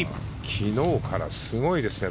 昨日からすごいですね